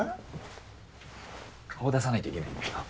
顔出さないといけないんだよ。